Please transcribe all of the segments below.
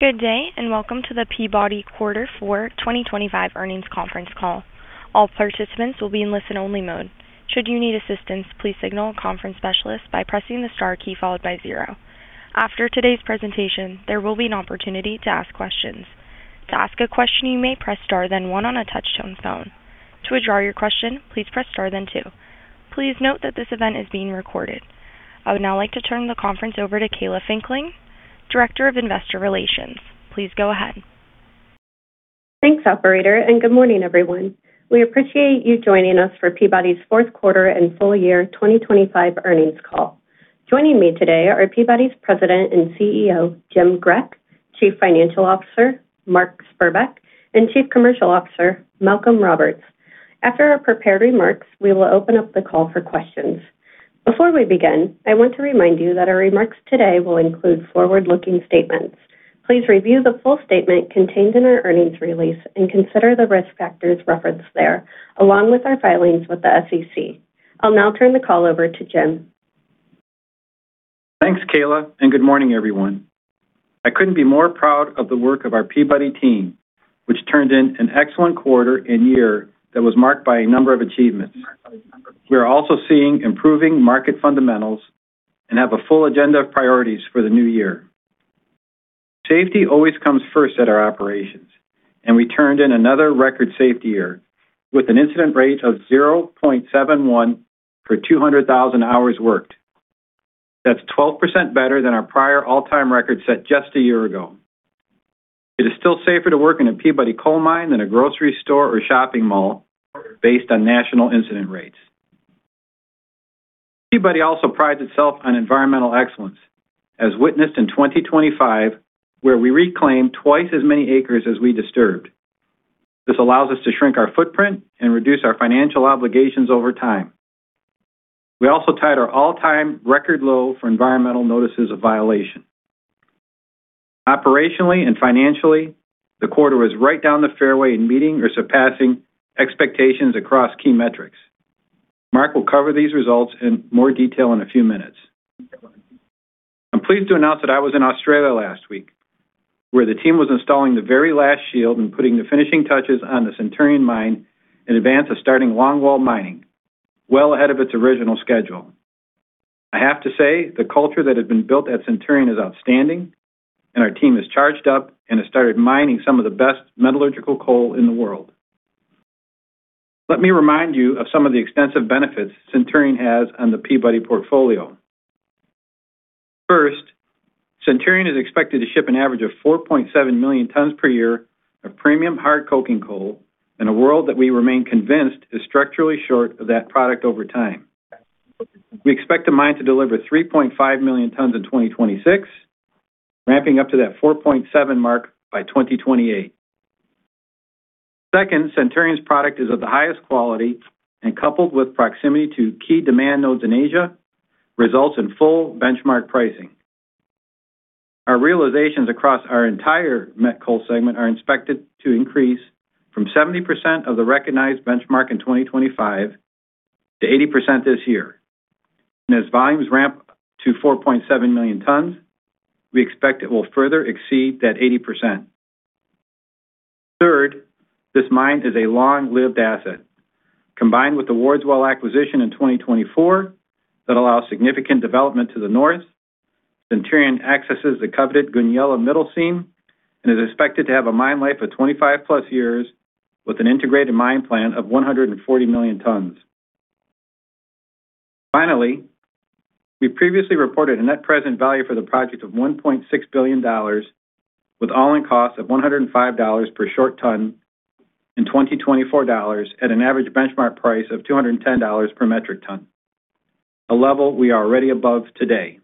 Good day, and welcome to the Peabody Q4 2025 Earnings Conference Call. All participants will be in listen-only mode. Should you need assistance, please signal a conference specialist by pressing the star key followed by zero. After today's presentation, there will be an opportunity to ask questions. To ask a question, you may press star, then one on a touch-tone phone. To withdraw your question, please press star then two. Please note that this event is being recorded. I would now like to turn the conference over to Kala Finklang, Director of Investor Relations. Please go ahead. Thanks, operator, and good morning, everyone. We appreciate you joining us for Peabody's fourth quarter and full year 2025 earnings call. Joining me today are Peabody's President and CEO, Jim Grech, Chief Financial Officer, Mark Spurbeck, and Chief Commercial Officer, Malcolm Roberts. After our prepared remarks, we will open up the call for questions. Before we begin, I want to remind you that our remarks today will include forward-looking statements. Please review the full statement contained in our earnings release and consider the risk factors referenced there, along with our filings with the SEC. I'll now turn the call over to Jim. Thanks, Kala, and good morning, everyone. I couldn't be more proud of the work of our Peabody team, which turned in an excellent quarter and year that was marked by a number of achievements. We are also seeing improving market fundamentals and have a full agenda of priorities for the new year. Safety always comes first at our operations, and we turned in another record safety year with an incident rate of 0.71 per 200,000 hours worked. That's 12% better than our prior all-time record, set just a year ago. It is still safer to work in a Peabody coal mine than a grocery store or shopping mall based on national incident rates. Peabody also prides itself on environmental excellence, as witnessed in 2025, where we reclaimed twice as many acres as we disturbed. This allows us to shrink our footprint and reduce our financial obligations over time. We also tied our all-time record low for environmental notices of violation. Operationally and financially, the quarter was right down the fairway in meeting or surpassing expectations across key metrics. Mark will cover these results in more detail in a few minutes. I'm pleased to announce that I was in Australia last week, where the team was installing the very last shield and putting the finishing touches on the Centurion Mine in advance of starting longwall mining, well ahead of its original schedule. I have to say, the culture that has been built at Centurion is outstanding, and our team is charged up and has started mining some of the best metallurgical coal in the world. Let me remind you of some of the extensive benefits Centurion has on the Peabody portfolio. First, Centurion is expected to ship an average of 4.7 million tons per year of premium hard coking coal in a world that we remain convinced is structurally short of that product over time. We expect the mine to deliver 3.5 million tons in 2026, ramping up to that 4.7 mark by 2028. Second, Centurion's product is of the highest quality and coupled with proximity to key demand nodes in Asia, results in full benchmark pricing. Our realizations across our entire met coal segment are expected to increase from 70% of the recognized benchmark in 2025 to 80% this year. And as volumes ramp to 4.7 million tons, we expect it will further exceed that 80%. Third, this mine is a long-lived asset. Combined with the Wards Well acquisition in 2024, that allows significant development to the north, Centurion accesses the coveted Goonyella Middle Seam and is expected to have a mine life of 25+ years with an integrated mine plan of 140 million tons. Finally, we previously reported a net present value for the project of $1.6 billion, with all-in costs of $105 per short ton in 2024 dollars at an average benchmark price of $210 per metric ton, a level we are already above today.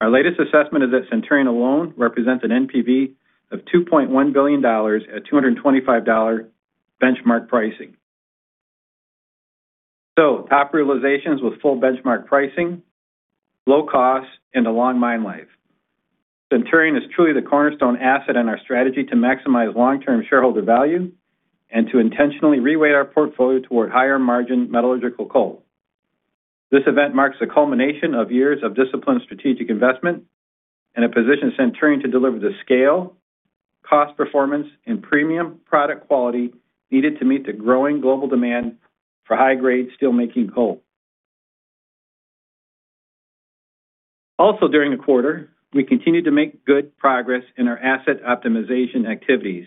Our latest assessment of the Centurion alone represents an NPV of $2.1 billion at $225 benchmark pricing. So top realizations with full benchmark pricing, low costs, and a long mine life. Centurion is truly the cornerstone asset in our strategy to maximize long-term shareholder value and to intentionally reweight our portfolio toward higher-margin metallurgical coal. This event marks the culmination of years of disciplined strategic investment and a position Centurion to deliver the scale, cost performance, and premium product quality needed to meet the growing global demand for high-grade steelmaking coal. Also, during the quarter, we continued to make good progress in our asset optimization activities.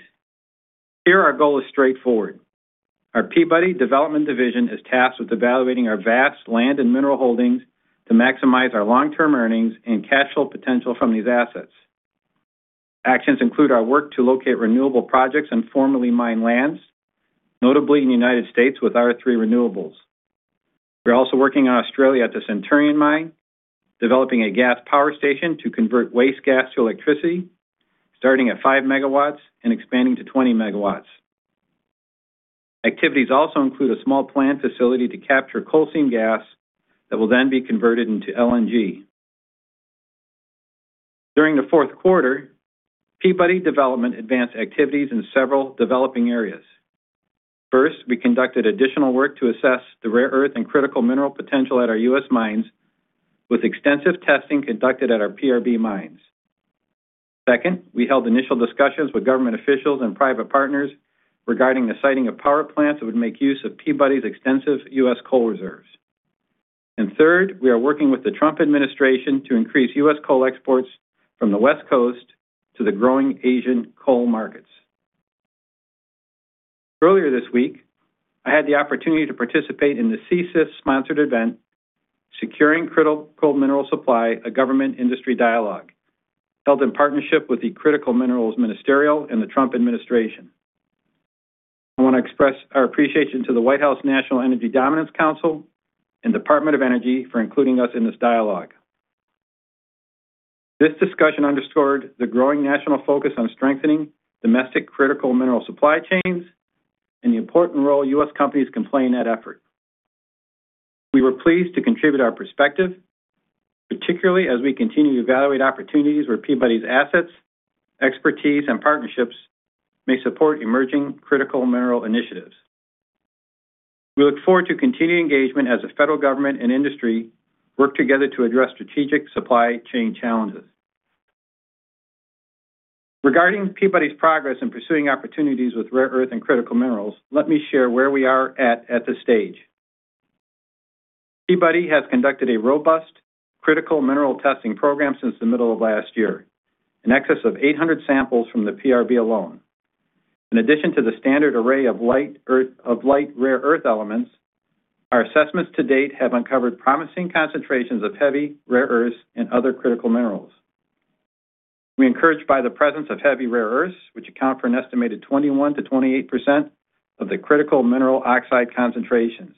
Here, our goal is straightforward. Our Peabody Development Division is tasked with evaluating our vast land and mineral holdings to maximize our long-term earnings and cash flow potential from these assets. Actions include our work to locate renewable projects in formerly mined lands, notably in the United States, with R3 Renewables. We're also working in Australia at the Centurion Mine, developing a gas power station to convert waste gas to electricity, starting at 5 MW and expanding to 20 MW. Activities also include a small plant facility to capture coal seam gas that will then be converted into LNG. During the fourth quarter, Peabody Development advanced activities in several developing areas. First, we conducted additional work to assess the rare earth and critical mineral potential at our U.S. mines, with extensive testing conducted at our PRB mines. Second, we held initial discussions with government officials and private partners regarding the siting of power plants that would make use of Peabody's extensive U.S. coal reserves. Third, we are working with the Trump administration to increase U.S. coal exports from the West Coast to the growing Asian coal markets. Earlier this week, I had the opportunity to participate in the CSIS-sponsored event, Securing Critical Mineral Supply: A Government-Industry Dialogue, held in partnership with the Critical Minerals Ministerial and the Trump administration. I want to express our appreciation to the White House National Energy Dominance Council and Department of Energy for including us in this dialogue. This discussion underscored the growing national focus on strengthening domestic critical mineral supply chains and the important role U.S. companies can play in that effort. We were pleased to contribute our perspective, particularly as we continue to evaluate opportunities where Peabody's assets, expertise, and partnerships may support emerging critical mineral initiatives. We look forward to continuing engagement as the federal government and industry work together to address strategic supply chain challenges. Regarding Peabody's progress in pursuing opportunities with rare earth and critical minerals, let me share where we are at, at this stage. Peabody has conducted a robust critical mineral testing program since the middle of last year, in excess of 800 samples from the PRB alone. In addition to the standard array of light earth of light rare earth elements, our assessments to date have uncovered promising concentrations of heavy rare earths and other critical minerals. We're encouraged by the presence of heavy rare earths, which account for an estimated 21%-28% of the critical mineral oxide concentrations.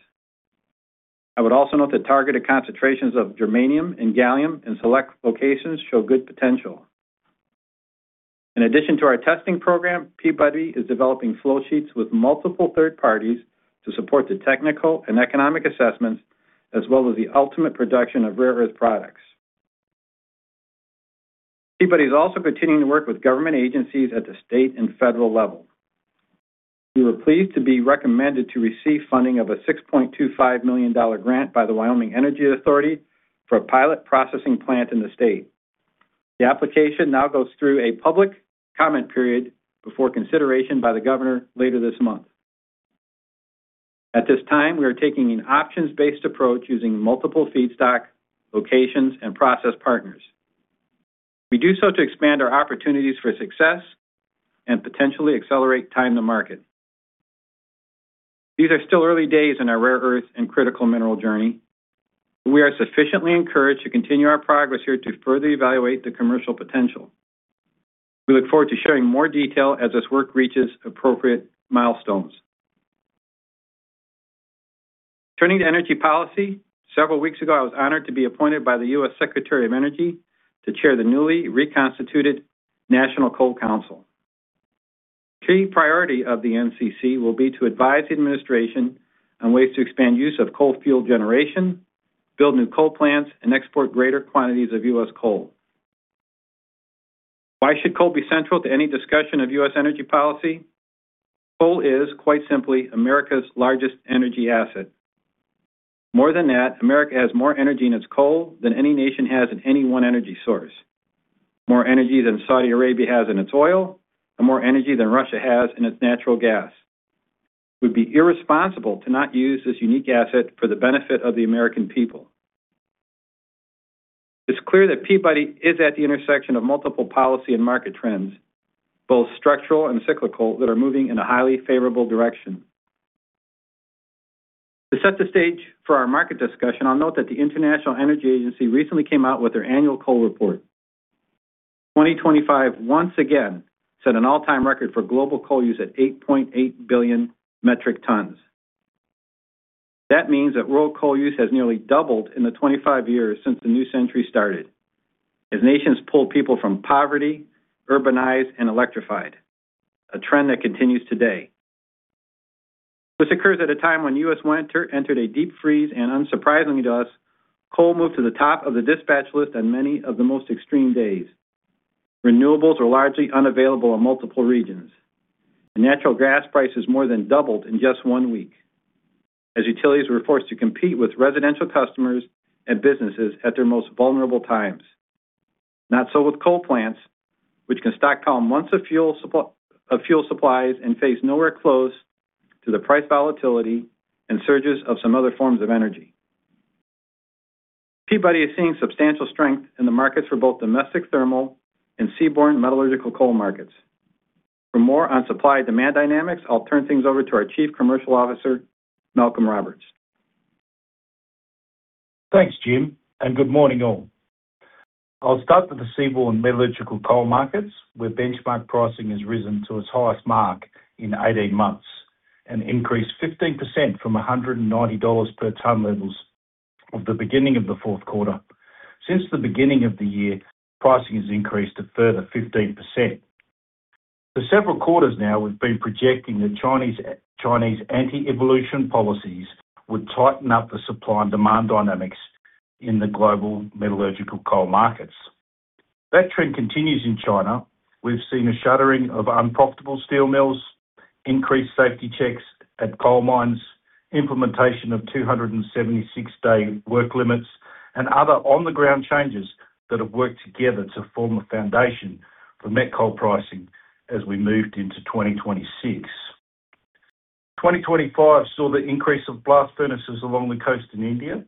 I would also note that targeted concentrations of germanium and gallium in select locations show good potential. In addition to our testing program, Peabody is developing flow sheets with multiple third parties to support the technical and economic assessments, as well as the ultimate production of rare earth products. Peabody is also continuing to work with government agencies at the state and federal level. We were pleased to be recommended to receive funding of a $6.25 million grant by the Wyoming Energy Authority for a pilot processing plant in the state. The application now goes through a public comment period before consideration by the governor later this month. At this time, we are taking an options-based approach using multiple feedstock, locations, and process partners. We do so to expand our opportunities for success and potentially accelerate time to market. These are still early days in our rare earth and critical mineral journey. We are sufficiently encouraged to continue our progress here to further evaluate the commercial potential. We look forward to sharing more detail as this work reaches appropriate milestones. Turning to energy policy, several weeks ago, I was honored to be appointed by the U.S. Secretary of Energy to chair the newly reconstituted National Coal Council. Key priority of the NCC will be to advise the administration on ways to expand use of coal fuel generation, build new coal plants, and export greater quantities of U.S. coal. Why should coal be central to any discussion of U.S. energy policy? Coal is, quite simply, America's largest energy asset. More than that, America has more energy in its coal than any nation has in any one energy source. More energy than Saudi Arabia has in its oil, and more energy than Russia has in its natural gas. It would be irresponsible to not use this unique asset for the benefit of the American people. It's clear that Peabody is at the intersection of multiple policy and market trends, both structural and cyclical, that are moving in a highly favorable direction. To set the stage for our market discussion, I'll note that the International Energy Agency recently came out with their annual coal report. 2025, once again, set an all-time record for global coal use at 8.8 billion metric tons. That means that world coal use has nearly doubled in the 25 years since the new century started, as nations pulled people from poverty, urbanized, and electrified, a trend that continues today. This occurs at a time when the U.S. winter entered a deep freeze, and unsurprisingly to us, coal moved to the top of the dispatch list on many of the most extreme days. Renewables were largely unavailable in multiple regions. The natural gas prices more than doubled in just one week, as utilities were forced to compete with residential customers and businesses at their most vulnerable times. Not so with coal plants, which can stockpile months of fuel supplies and face nowhere close to the price volatility and surges of some other forms of energy. Peabody is seeing substantial strength in the markets for both domestic, thermal, and seaborne metallurgical coal markets. For more on supply-demand dynamics, I'll turn things over to our Chief Commercial Officer, Malcolm Roberts. Thanks, Jim, and good morning, all. I'll start with the seaborne metallurgical coal markets, where benchmark pricing has risen to its highest mark in 18 months and increased 15% from $190 per ton levels of the beginning of the fourth quarter. Since the beginning of the year, pricing has increased a further 15%. For several quarters now, we've been projecting that Chinese anti-evolution policies would tighten up the supply and demand dynamics in the global metallurgical coal markets. That trend continues in China. We've seen a shuttering of unprofitable steel mills, increased safety checks at coal mines, implementation of 276-day work limits, and other on-the-ground changes that have worked together to form a foundation for met coal pricing as we moved into 2026. 2025 saw the increase of blast furnaces along the coast in India,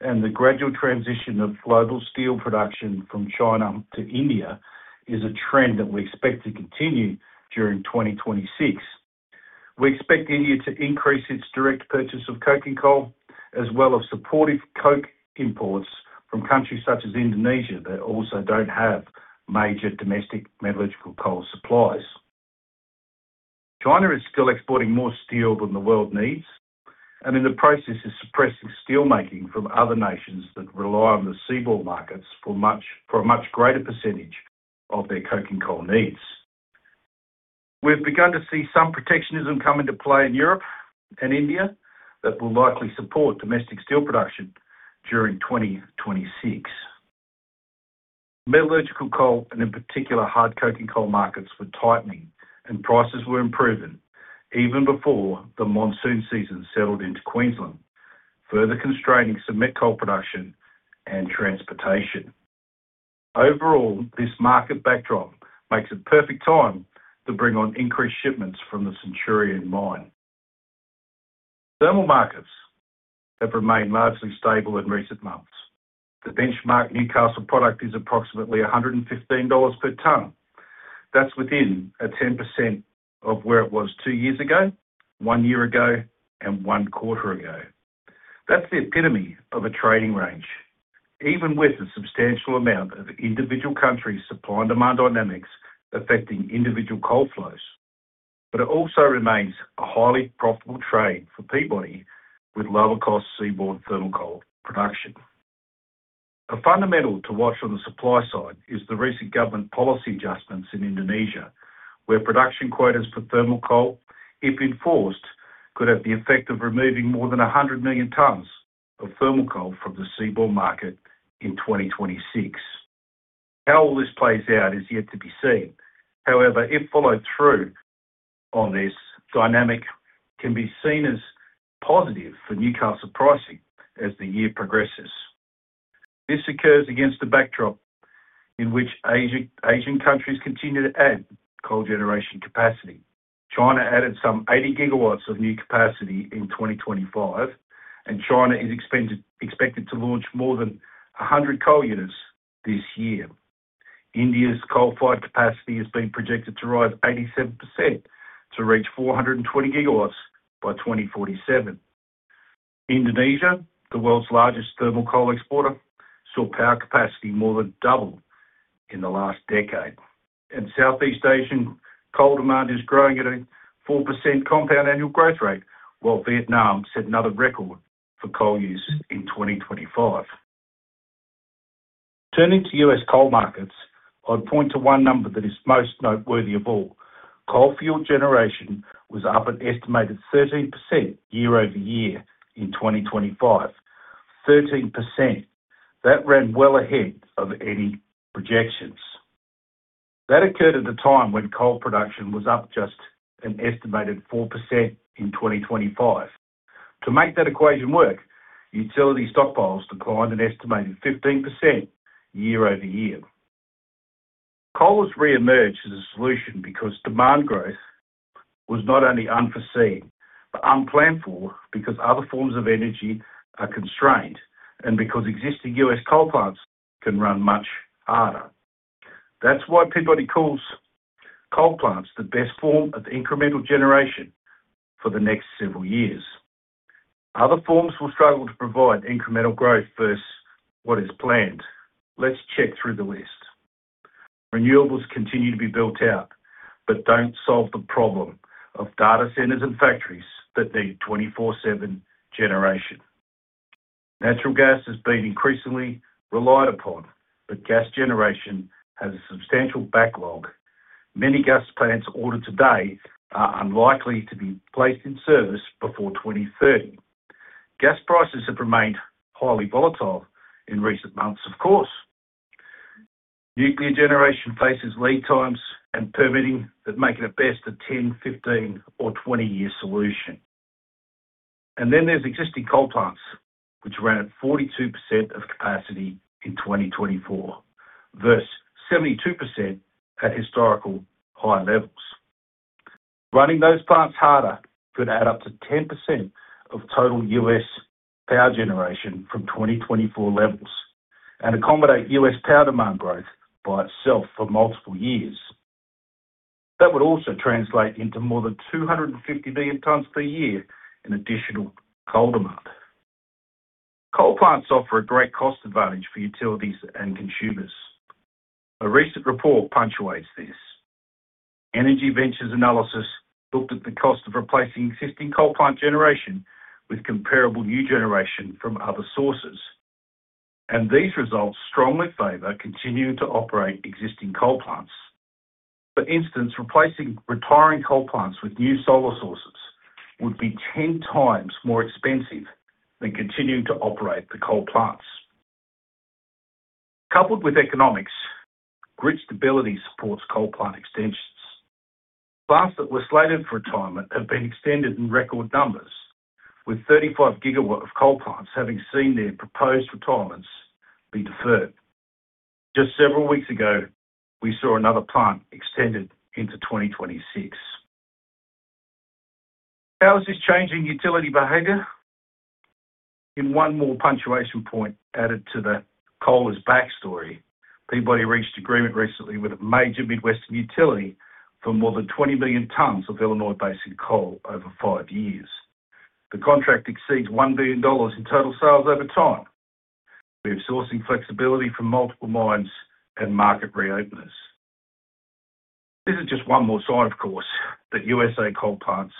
and the gradual transition of global steel production from China to India is a trend that we expect to continue during 2026. We expect India to increase its direct purchase of coking coal, as well as supportive coke imports from countries such as Indonesia, that also don't have major domestic metallurgical coal supplies. China is still exporting more steel than the world needs, and in the process is suppressing steelmaking from other nations that rely on the seaborne markets for a much greater percentage of their coking coal needs. We've begun to see some protectionism come into play in Europe and India, that will likely support domestic steel production during 2026. Metallurgical coal, and in particular, hard coking coal markets, were tightening and prices were improving even before the monsoon season settled into Queensland, further constraining some met coal production and transportation. Overall, this market backdrop makes it perfect time to bring on increased shipments from the Centurion Mine. Thermal markets have remained largely stable in recent months. The benchmark Newcastle product is approximately $115 per ton. That's within 10% of where it was two years ago, one year ago, and one quarter ago. That's the epitome of a trading range, even with a substantial amount of individual countries' supply and demand dynamics affecting individual coal flows. But it also remains a highly profitable trade for Peabody, with lower-cost seaborne thermal coal production. A fundamental to watch on the supply side is the recent government policy adjustments in Indonesia, where production quotas for thermal coal, if enforced, could have the effect of removing more than 100 million tons of thermal coal from the seaborne market in 2026. How all this plays out is yet to be seen. However, if followed through on this dynamic, can be seen as positive for Newcastle pricing as the year progresses. This occurs against a backdrop in which Asian countries continue to add coal generation capacity. China added some 80 GW of new capacity in 2025, and China is expected to launch more than 100 coal units this year. India's coal-fired capacity has been projected to rise 87% to reach 420 GW by 2047. Indonesia, the world's largest thermal coal exporter, saw power capacity more than double in the last decade, and Southeast Asian coal demand is growing at a 4% compound annual growth rate, while Vietnam set another record for coal use in 2025. Turning to U.S. coal markets, I'd point to one number that is most noteworthy of all. Coal fuel generation was up an estimated 13% year-over-year in 2025. Thirteen percent. That ran well ahead of any projections. That occurred at a time when coal production was up just an estimated 4% in 2025. To make that equation work, utility stockpiles declined an estimated 15% year-over-year. Coal has reemerged as a solution because demand growth was not only unforeseen, but unplanned for, because other forms of energy are constrained and because existing U.S. coal plants can run much harder. That's why Peabody calls coal plants the best form of incremental generation for the next several years. Other forms will struggle to provide incremental growth versus what is planned. Let's check through the list. Renewables continue to be built out, but don't solve the problem of data centers and factories that need 24/7 generation. Natural gas has been increasingly relied upon, but gas generation has a substantial backlog. Many gas plants ordered today are unlikely to be placed in service before 2030. Gas prices have remained highly volatile in recent months, of course. Nuclear generation faces lead times and permitting that make it a best of 10 to 15, or 20-year solution. And then there's existing coal plants, which ran at 42% of capacity in 2024, versus 72% at historical high levels. Running those plants harder could add up to 10% of total U.S. power generation from 2024 levels, and accommodate U.S. power demand growth by itself for multiple years. That would also translate into more than 250 billion tons per year in additional coal demand. Coal plants offer a great cost advantage for utilities and consumers. A recent report punctuates this. Energy Ventures Analysis looked at the cost of replacing existing coal plant generation with comparable new generation from other sources, and these results strongly favor continuing to operate existing coal plants. For instance, replacing retiring coal plants with new solar sources would be 10x more expensive than continuing to operate the coal plants. Coupled with economics, grid stability supports coal plant extensions. Plants that were slated for retirement have been extended in record numbers, with 35 gigawatts of coal plants having seen their proposed retirements be deferred. Just several weeks ago, we saw another plant extended into 2026. How is this changing utility behavior? In one more punctuation point added to the coal is back story, Peabody reached agreement recently with a major Midwestern utility for more than 20 million tons of Illinois-based coal over five years. The contract exceeds $1 billion in total sales over time. We have sourcing flexibility from multiple mines and market reopeners. This is just one more sign, of course, that USA coal plants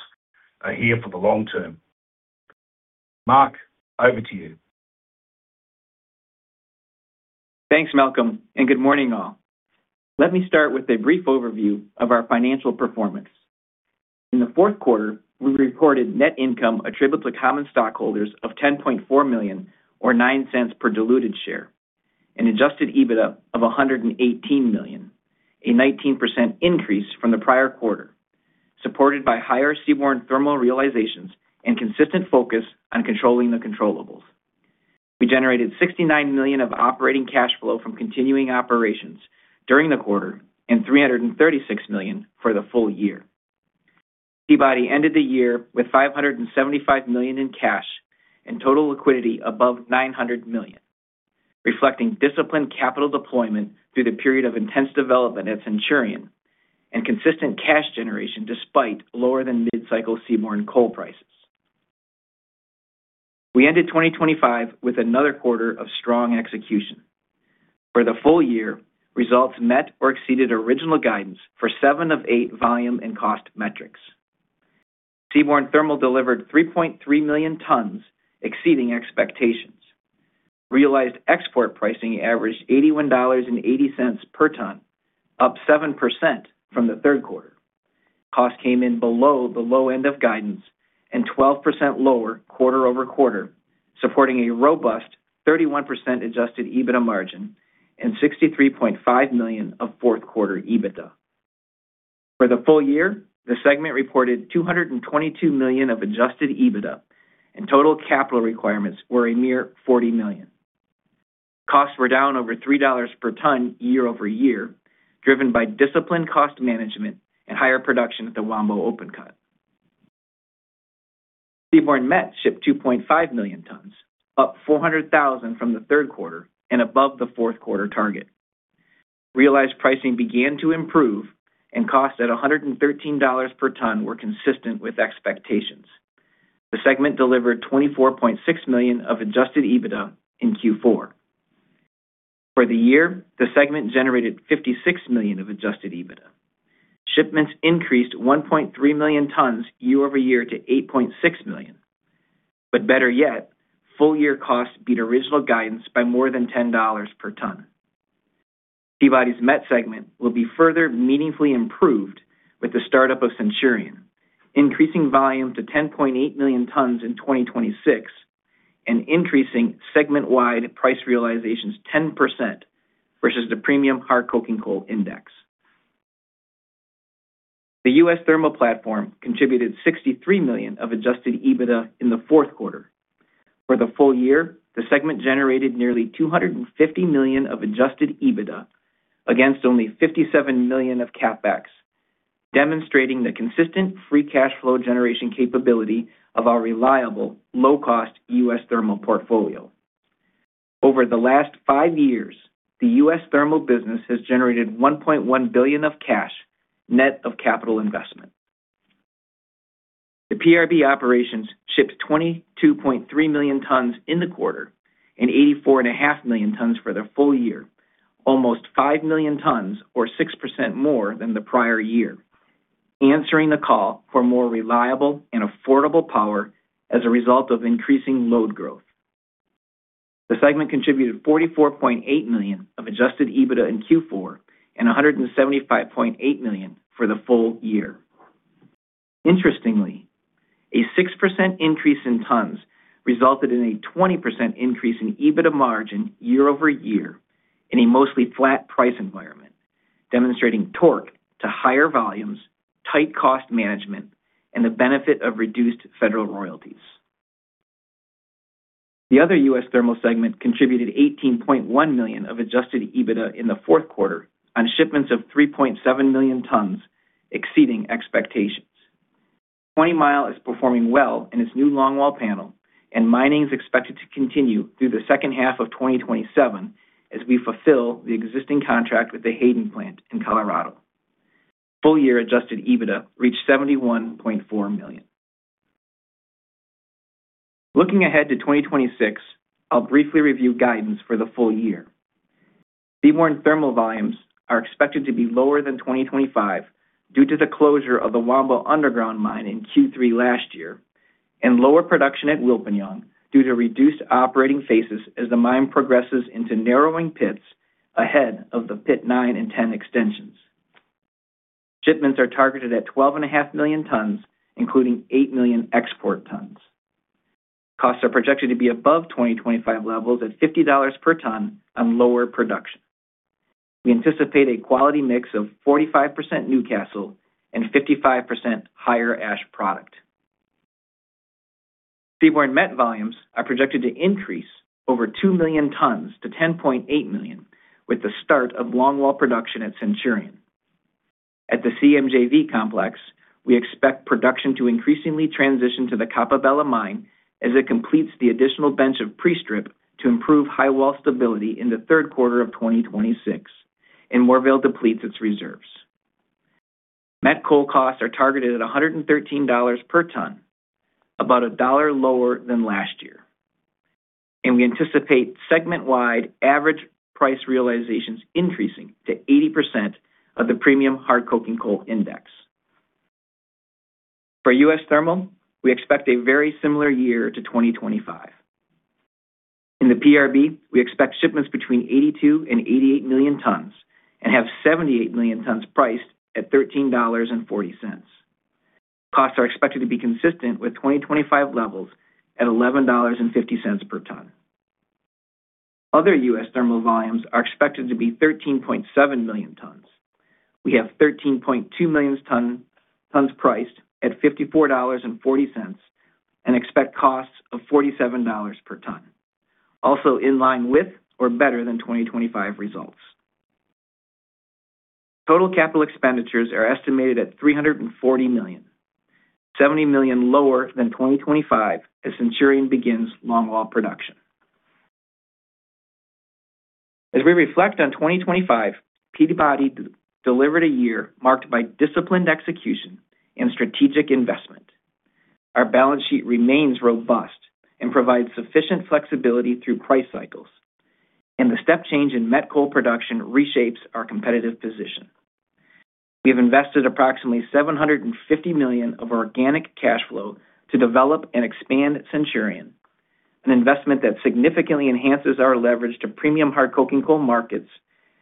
are here for the long term. Mark, over to you. Thanks, Malcolm, and good morning, all. Let me start with a brief overview of our financial performance. In the fourth quarter, we recorded net income attributable to common stockholders of $10.4 million or $0.09 per diluted share, an adjusted EBITDA of $118 million, a 19% increase from the prior quarter, supported by higher seaborne thermal realizations and consistent focus on controlling the controllables. We generated $69 million of operating cash flow from continuing operations during the quarter and $336 million for the full year. Peabody ended the year with $575 million in cash and total liquidity above $900 million, reflecting disciplined capital deployment through the period of intense development at Centurion and consistent cash generation, despite lower than mid-cycle seaborne coal prices. We ended 2025 with another quarter of strong execution. For the full year, results met or exceeded original guidance for seven of eight volume and cost metrics. Seaborne Thermal delivered 3.3 million tons, exceeding expectations. Realized export pricing averaged $81.80 per ton, up 7% from the third quarter. Cost came in below the low end of guidance and 12% lower quarter-over-quarter, supporting a robust 31% adjusted EBITDA margin and $63.5 million of fourth quarter EBITDA. For the full year, the segment reported $222 million of adjusted EBITDA, and total capital requirements were a mere $40 million. Costs were down over $3 per ton year-over-year, driven by disciplined cost management and higher production at the Wambo open cut. Seaborne metallurgical shipped 2.5 million tons, up 400,000 from the third quarter and above the fourth quarter target. Realized pricing began to improve and cost at $113 per ton were consistent with expectations. The segment delivered $24.6 million of adjusted EBITDA in Q4. For the year, the segment generated $56 million of adjusted EBITDA. Shipments increased 1.3 million tons year-over-year to 8.6 million. But better yet, full-year costs beat original guidance by more than $10 per ton. Peabody's met segment will be further meaningfully improved with the start-up of Centurion, increasing volume to 10.8 million tons in 2026 and increasing segment-wide price realizations 10% versus the premium hard coking coal index. The U.S. Thermal platform contributed $63 million of adjusted EBITDA in the fourth quarter. For the full year, the segment generated nearly $250 million of adjusted EBITDA against only $57 million of CapEx, demonstrating the consistent free cash flow generation capability of our reliable, low-cost U.S. Thermal portfolio. Over the last five years, the U.S. Thermal business has generated $1.1 billion of cash, net of capital investment. The PRB operations shipped 22.3 million tons in the quarter and 84.5 million tons for the full year, almost 5 million tons or 6% more than the prior year, answering the call for more reliable and affordable power as a result of increasing load growth. The segment contributed $44.8 million of adjusted EBITDA in Q4 and $175.8 million for the full year. Interestingly, a 6% increase in tons resulted in a 20% increase in EBITDA margin year-over-year in a mostly flat price environment, demonstrating torque to higher volumes, tight cost management, and the benefit of reduced federal royalties. The other U.S. Thermal segment contributed $18.1 million of adjusted EBITDA in the fourth quarter on shipments of 3.7 million tons, exceeding expectations. Twentymile is performing well in its new longwall panel, and mining is expected to continue through the second half of 2027 as we fulfill the existing contract with the Hayden plant in Colorado. Full-year adjusted EBITDA reached $71.4 million. Looking ahead to 2026, I'll briefly review guidance for the full year. Seaborne thermal volumes are expected to be lower than 2025 due to the closure of the Wambo underground mine in Q3 last year. Lower production at Wilpinjong due to reduced operating phases as the mine progresses into narrowing pits ahead of the pit nine and ten extensions. Shipments are targeted at 12.5 million tons, including eight million export tons. Costs are projected to be above 2025 levels at $50 per ton on lower production. We anticipate a quality mix of 45% Newcastle and 55% higher ash product. Seaborne met volumes are projected to increase over two million tons to 10.8 million, with the start of longwall production at Centurion. At the CMJV complex, we expect production to increasingly transition to the Coppabella Mine as it completes the additional bench of pre-strip to improve high wall stability in the third quarter of 2026, and Moorvale depletes its reserves. Met coal costs are targeted at $113 per ton, about $1 lower than last year, and we anticipate segment-wide average price realizations increasing to 80% of the Premium Hard Coking Coal index. For U.S. Thermal, we expect a very similar year to 2025. In the PRB, we expect shipments between 82-88 million tons and have 78 million tons priced at $13.40. Costs are expected to be consistent with 2025 levels at $11.50 per ton. Other U.S. thermal volumes are expected to be 13.7 million tons. We have 13.2 million tons priced at $54.40 and expect costs of $47 per ton, also in line with or better than 2025 results. Total capital expenditures are estimated at $340 million, $70 million lower than 2025 as Centurion begins longwall production. As we reflect on 2025, Peabody delivered a year marked by disciplined execution and strategic investment. Our balance sheet remains robust and provides sufficient flexibility through price cycles, and the step change in met coal production reshapes our competitive position. We have invested approximately $750 million of organic cash flow to develop and expand Centurion, an investment that significantly enhances our leverage to premium hard coking coal markets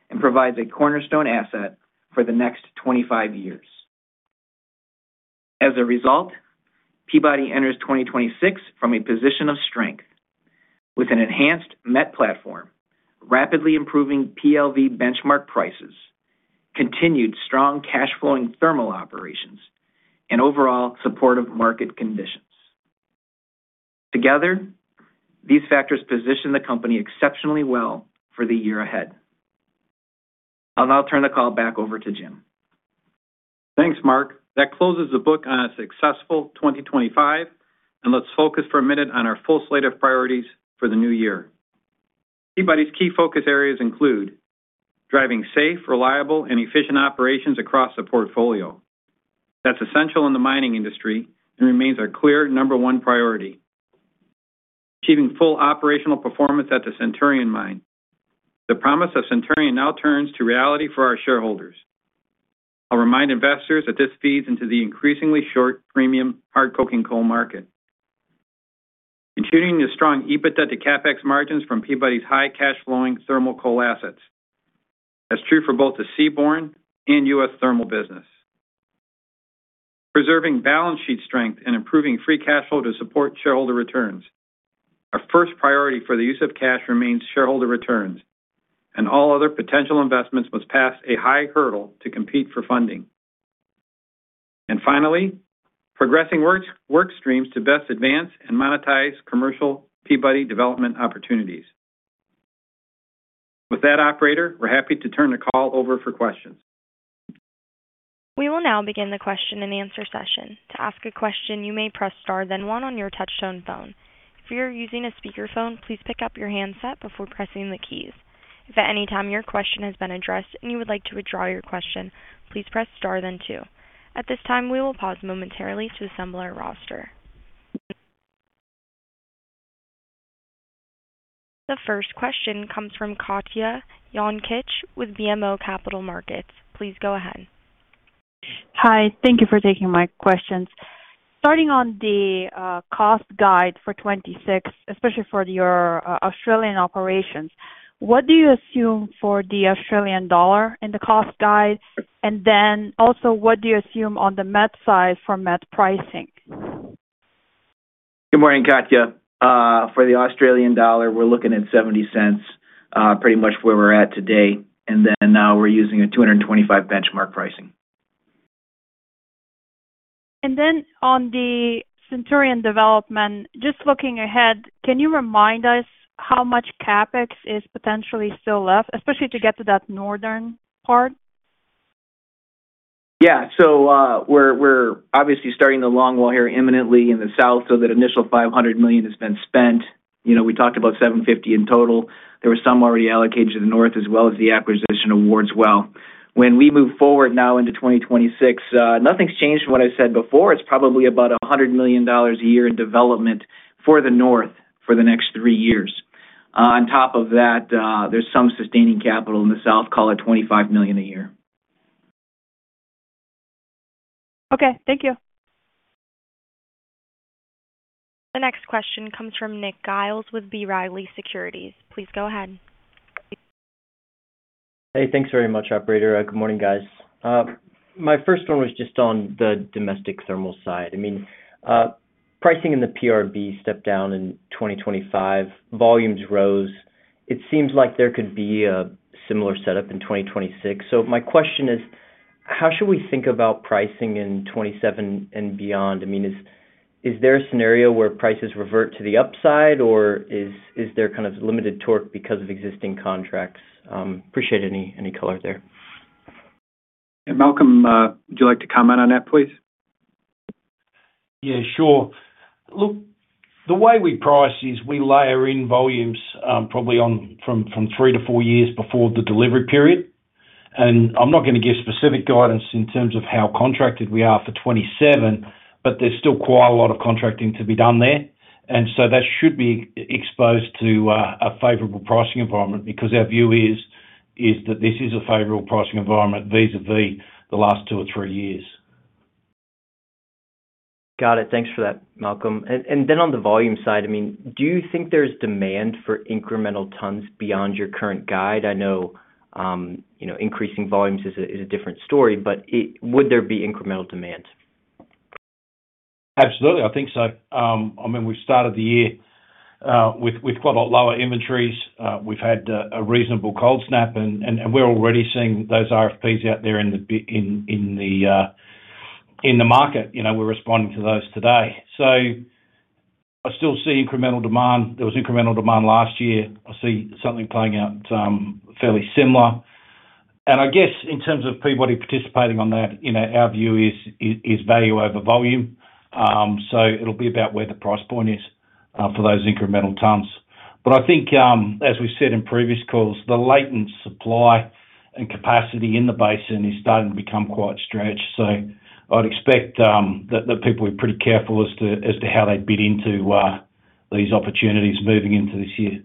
and provides a cornerstone asset for the next 25 years. As a result, Peabody enters 2026 from a position of strength with an enhanced met platform, rapidly improving PLV benchmark prices, continued strong cash flowing thermal operations, and overall supportive market conditions. Together, these factors position the company exceptionally well for the year ahead. I'll now turn the call back over to Jim. Thanks, Mark. That closes the book on a successful 2025, and let's focus for a minute on our full slate of priorities for the new year. Peabody's key focus areas include driving safe, reliable, and efficient operations across the portfolio. That's essential in the mining industry and remains our clear number one priority. Achieving full operational performance at the Centurion Mine. The promise of Centurion now turns to reality for our shareholders. I'll remind investors that this feeds into the increasingly short premium hard coking coal market. Continuing the strong EBITDA to CapEx margins from Peabody's high cash flowing thermal coal assets. That's true for both the seaborne and U.S. thermal business. Preserving balance sheet strength and improving free cash flow to support shareholder returns. Our first priority for the use of cash remains shareholder returns, and all other potential investments must pass a high hurdle to compete for funding. And finally, progressing work streams to best advance and monetize commercial Peabody development opportunities. With that, operator, we're happy to turn the call over for questions. We will now begin the question-and-answer session. To ask a question, you may press star, then one on your touchtone phone. If you're using a speakerphone, please pick up your handset before pressing the keys. If at any time your question has been addressed and you would like to withdraw your question, please press star then two. At this time, we will pause momentarily to assemble our roster. The first question comes from Katja Jancic with BMO Capital Markets. Please go ahead. Hi, thank you for taking my questions. Starting on the cost guide for 2026, especially for your Australian operations, what do you assume for the Australian dollar in the cost guide? And then also, what do you assume on the met side for met pricing? Good morning, Katja. For the Australian dollar, we're looking at $0.70, pretty much where we're at today, and then, we're using a $225 benchmark pricing. And then on the Centurion development, just looking ahead, can you remind us how much CapEx is potentially still left, especially to get to that northern part? Yeah. So, we're obviously starting the longwall here imminently in the south, so that initial $500 million has been spent. You know, we talked about $750 million in total. There was some already allocated to the north, as well as the acquisition of Wards Well. When we move forward now into 2026, nothing's changed from what I said before. It's probably about $100 million a year in development for the north for the next three years. On top of that, there's some sustaining capital in the south, call it $25 million a year. Okay, thank you. The next question comes from Nick Giles with B. Riley Securities. Please go ahead. Hey, thanks very much, operator. Good morning, guys. My first one was just on the domestic thermal side. I mean, pricing in the PRB stepped down in 2025, volumes rose. It seems like there could be a similar setup in 2026. So my question is: how should we think about pricing in 2027 and beyond? I mean, is, is there a scenario where prices revert to the upside, or is, is there kind of limited torque because of existing contracts? Appreciate any, any color there. Malcolm, would you like to comment on that, please? Yeah, sure. Look, the way we price is we layer in volumes, probably from three to four years before the delivery period, and I'm not going to give specific guidance in terms of how contracted we are for 2027, but there's still quite a lot of contracting to be done there. And so that should be exposed to a favorable pricing environment, because our view is that this is a favorable pricing environment vis-a-vis the last two or three years. Got it. Thanks for that, Malcolm. And then on the volume side, I mean, do you think there's demand for incremental tons beyond your current guide? I know, you know, increasing volumes is a different story, but would there be incremental demand? Absolutely, I think so. I mean, we've started the year with quite a lot lower inventories. We've had a reasonable cold snap, and we're already seeing those RFPs out there in the market. You know, we're responding to those today. So I still see incremental demand. There was incremental demand last year. I see something playing out fairly similar. And I guess in terms of Peabody participating on that, you know, our view is value over volume. So it'll be about where the price point is for those incremental tons. But I think, as we've said in previous calls, the latent supply and capacity in the basin is starting to become quite stretched. So I'd expect that people are pretty careful as to how they bid into these opportunities moving into this year.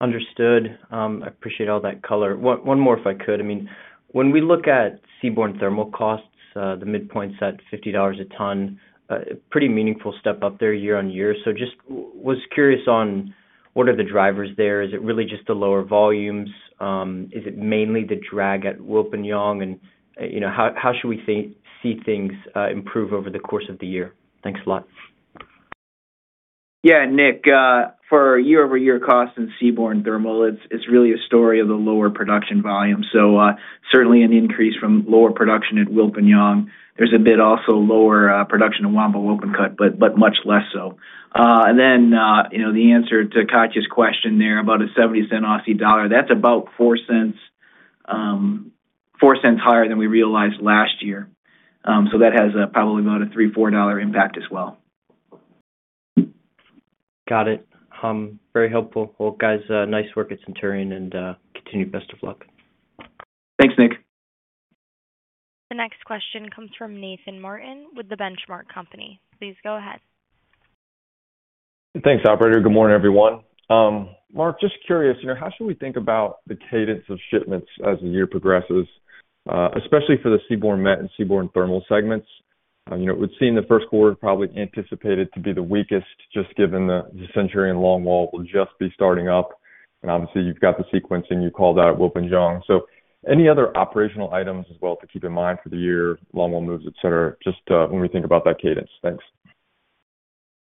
Understood. I appreciate all that color. One, one more, if I could. I mean, when we look at seaborne thermal costs, the midpoint's at $50 a ton, pretty meaningful step up there year-on-year. So just was curious on what are the drivers there? Is it really just the lower volumes? Is it mainly the drag at Wilpinjong? And, you know, how should we see things improve over the course of the year? Thanks a lot. Yeah, Nick, for year-over-year costs in seaborne thermal, it's really a story of the lower production volume. So, certainly an increase from lower production at Wilpinjong. There's a bit also lower production at Wambo Open Cut, but much less so. And then, you know, the answer to Katja's question there about a 0.70, that's about 0.04 higher than we realized last year. So that has probably about a $3-$4 impact as well. Got it. Very helpful. Well, guys, nice work at Centurion, and continued best of luck. Thanks, Nick. The next question comes from Nathan Martin with the Benchmark Company. Please go ahead. Thanks, operator. Good morning, everyone. Mark, just curious, you know, how should we think about the cadence of shipments as the year progresses, especially for the seaborne met and seaborne thermal segments? You know, it would seem the first quarter probably anticipated to be the weakest, just given the Centurion longwall will just be starting up, and obviously you've got the sequencing, you called out Wilpinjong. So any other operational items as well to keep in mind for the year, longwall moves, et cetera, just when we think about that cadence? Thanks.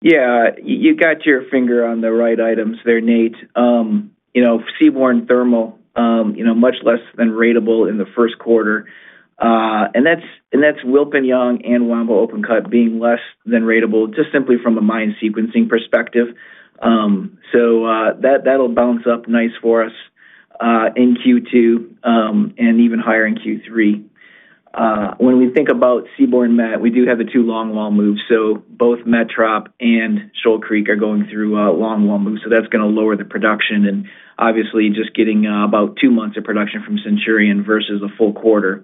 Yeah, you got your finger on the right items there, Nate. You know, seaborne thermal, you know, much less than ratable in the first quarter. And that's Wilpinjong and Wambo Open Cut being less than ratable, just simply from a mine sequencing perspective. So, that'll bounce up nice for us, in Q2, and even higher in Q3. When we think about seaborne met, we do have the two longwall moves, so both Metropolitan and Shoal Creek are going through a longwall move, so that's gonna lower the production and obviously just getting about two months of production from Centurion versus a full quarter.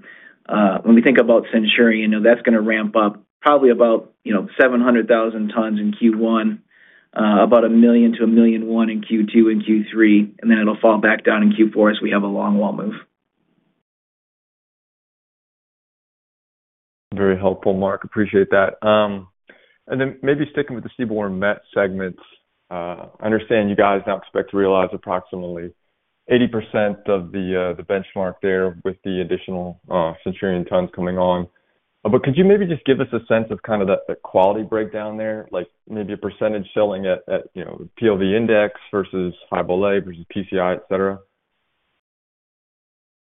When we think about Centurion, you know, that's gonna ramp up probably about, you know, 700,000 tons in Q1, about 1 million-1.1 million ton in Q2 and Q3, and then it'll fall back down in Q4 as we have a longwall move. Very helpful, Mark. Appreciate that. And then maybe sticking with the seaborne met segments, I understand you guys now expect to realize approximately 80% of the benchmark there with the additional Centurion tons coming on. But could you maybe just give us a sense of kind of the quality breakdown there? Like maybe a percentage selling at, you know, PLV index versus 5LA versus PCI, et cetera.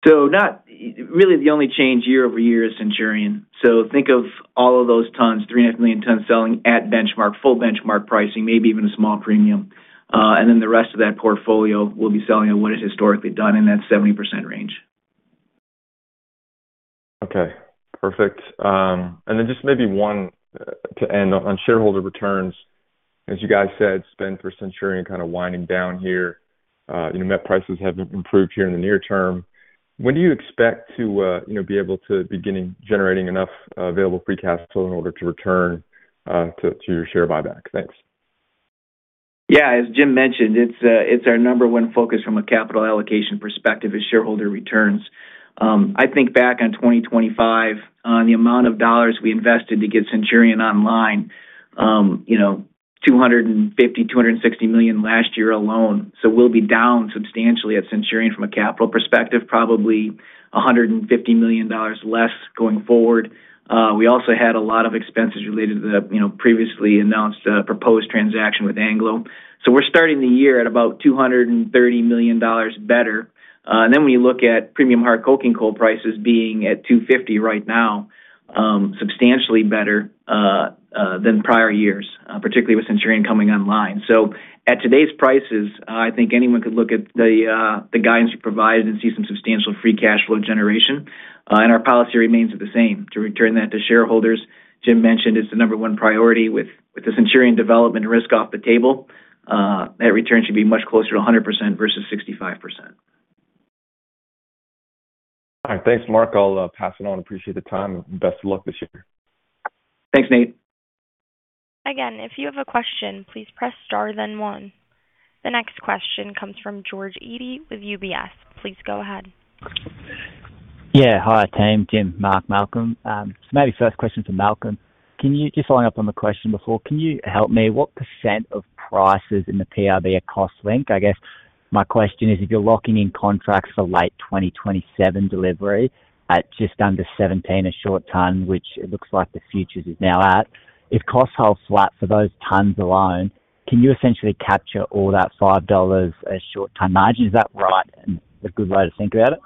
So, not really, the only change year-over-year is Centurion. So think of all of those tons, 3.5 million tons, selling at benchmark, full benchmark pricing, maybe even a small premium. And then the rest of that portfolio will be selling at what is historically done in that 70% range. Okay, perfect. And then just maybe one to end on shareholder returns. As you guys said, spend for Centurion kind of winding down here. You know, met prices have improved here in the near term. When do you expect to, you know, be able to beginning generating enough available free cash flow in order to return to your share buyback? Thanks. Yeah, as Jim mentioned, it's our number one focus from a capital allocation perspective is shareholder returns. I think back on 2025, on the amount of dollars we invested to get Centurion online, you know, $250 million-$260 million last year alone. So we'll be down substantially at Centurion from a capital perspective, probably $150 million less going forward. We also had a lot of expenses related to the, you know, previously announced, proposed transaction with Anglo. So we're starting the year at about $230 million better. And then when you look at Premium Hard Coking Coal prices being at $250 right now, substantially better than prior years, particularly with Centurion coming online. So at today's prices, I think anyone could look at the guidance we provided and see some substantial free cash flow generation. And our policy remains the same, to return that to shareholders. Jim mentioned it's the number one priority. With the Centurion development risk off the table, that return should be much closer to 100% versus 65%. All right. Thanks, Mark. I'll pass it on. Appreciate the time, and best of luck this year. Thanks, Nathan. Again, if you have a question, please press star then one. The next question comes from George Eadie with UBS. Please go ahead. Yeah. Hi, team Jim, Mark, Malcolm. So maybe first question to Malcolm. Can you just following up on the question before, can you help me, what percent of prices in the PRB are cost linked? I guess my question is, if you're locking in contracts for late 2027 delivery at just under $17 a short ton, which it looks like the futures is now at, if costs hold flat for those tons alone, can you essentially capture all that $5 a short ton margin? Is that right, and a good way to think about it?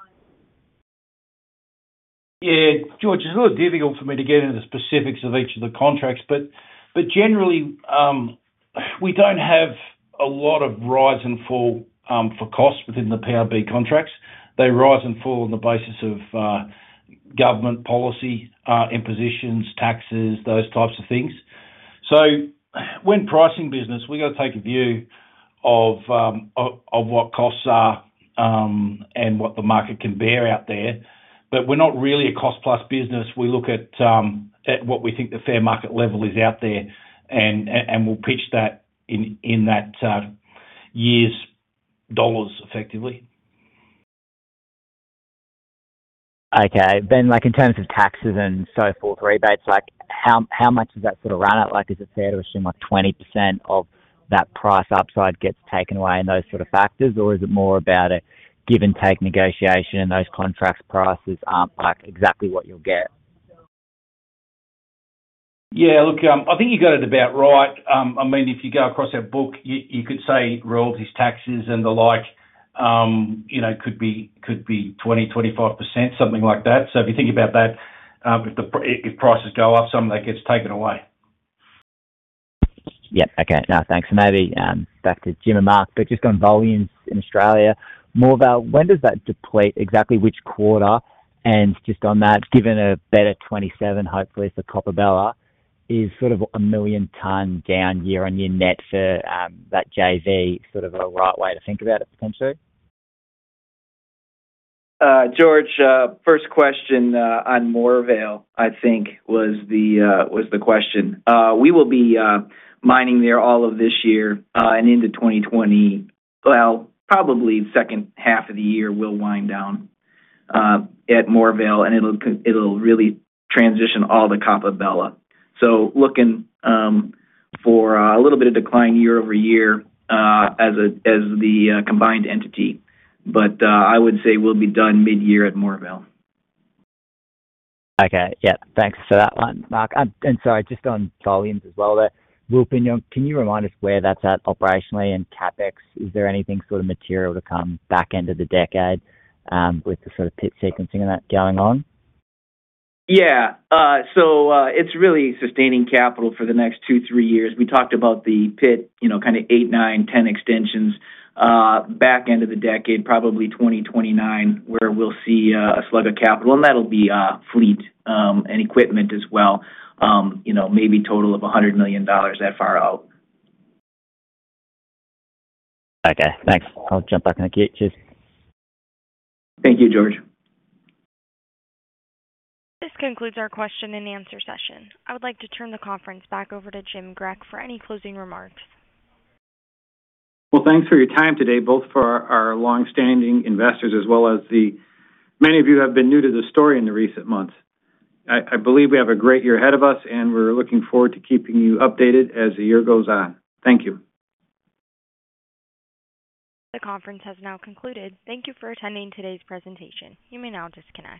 Yeah, George, it's a little difficult for me to get into the specifics of each of the contracts, but generally, we don't have a lot of rise and fall for costs within the PRB contracts. They rise and fall on the basis of government policy, impositions, taxes, those types of things. So when pricing business, we've got to take a view of what costs are and what the market can bear out there. But we're not really a cost-plus business. We look at what we think the fair market level is out there, and we'll pitch that in that year's dollars, effectively. Okay. Then, like, in terms of taxes and so forth, rebates, like, how much does that sort of run at? Like, is it fair to assume, like, 20% of that price upside gets taken away in those sort of factors? Or is it more about a give and take negotiation, and those contracts prices aren't, like, exactly what you'll get? Yeah, look, I think you got it about right. I mean, if you go across our book, you could say royalties, taxes, and the like, you know, could be 20%-25%, something like that. So if you think about that, if prices go up, some of that gets taken away. Yeah. Okay. No, thanks. Maybe back to Jim and Mark, but just on volumes in Australia, Moorvale, when does that deplete, exactly which quarter? And just on that, given a better 2027, hopefully for Coppabella, is sort of a million ton down year-on-year net for that JV sort of a right way to think about it potentially? George, first question on Moorvale, I think was the question. We will be mining there all of this year and into 2020. Well, probably second half of the year, we'll wind down at Moorvale, and it'll really transition all to Coppabella. So looking for a little bit of decline year-over-year as the combined entity. But I would say we'll be done midyear at Moorvale. Okay. Yeah. Thanks for that one, Mark. And sorry, just on volumes as well there. Wilpinjong, you know, can you remind us where that's at operationally and CapEx? Is there anything sort of material to come back end of the decade, with the sort of pit sequencing and that going on? Yeah. So, it's really sustaining capital for the next 2 years-3 years. We talked about the pit, you know, kind of eight, nine, 10 extensions, back end of the decade, probably 2029, where we'll see a slug of capital, and that'll be fleet and equipment as well. You know, maybe total of $100 million that far out. Okay, thanks. I'll jump back in the queue. Cheers. Thank you, George. This concludes our question and answer session. I would like to turn the conference back over to Jim Grech for any closing remarks. Well, thanks for your time today, both for our longstanding investors, as well as the many of you who have been new to the story in the recent months. I believe we have a great year ahead of us, and we're looking forward to keeping you updated as the year goes on. Thank you. The conference has now concluded. Thank you for attending today's presentation. You may now disconnect.